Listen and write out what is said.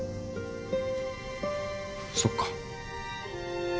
そっか。